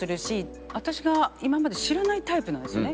私が今まで知らないタイプなんですよね。